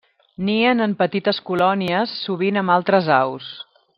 Nien en petites colònies, sovint amb altres aus.